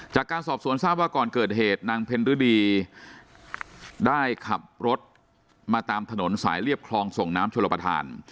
จากการสอบสวนทราบว่าก่อนเกิดเหตุนางเพ็ญฤดีได้ขับรถมาตามถนนสายเรียบคลองส่งน้ำชลประธาน